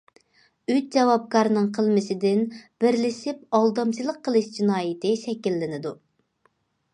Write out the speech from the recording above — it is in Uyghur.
ئۈچ جاۋابكارنىڭ قىلمىشىدىن بىرلىشىپ ئالدامچىلىق قىلىش جىنايىتى شەكىللىنىدۇ.